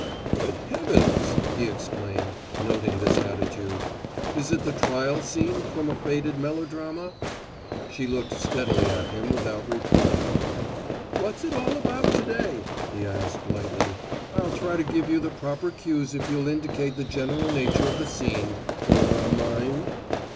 "Good heavens!" he exclaimed, noting this attitude. "Is it the trial scene from a faded melodrama?" She looked steadily at him without replying. "What's it all about to day?" he asked lightly. "I'll try to give you the proper cues if you'll indicate the general nature of the scene, Cora mine."